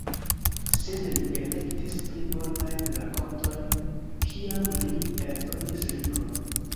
Sed li elektis pli bonajn rakontojn kiam li eldonis libron.